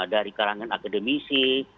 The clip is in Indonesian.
dari kalangan akademisi